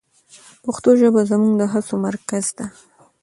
پښتو ژبه زموږ د هڅو مرکز ده.